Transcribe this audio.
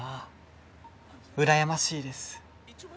うらやましいです。